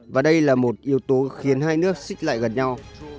và đây là một yếu tố khiến hai nước xích lại gần nhau